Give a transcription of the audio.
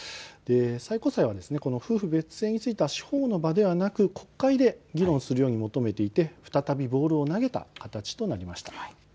最高裁は夫婦別姓については司法の場ではなく、国会で議論するよう求めていて再びボールを投げた形となりました。